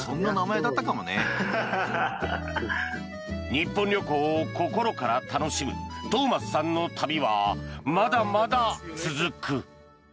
日本旅行を心から楽しむトーマスさんの旅はまだまだ続く。